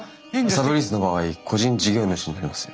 サブリースの場合個人事業主になります。